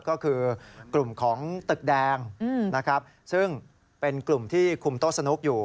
ก็คือกลุ่มของตึกแดงนะครับซึ่งเป็นกลุ่มที่คุมโต๊ะสนุกอยู่